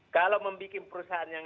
kalau membuat perusahaan yang